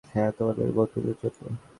হ্যাঁ, তোমার বন্ধুদের জন্য।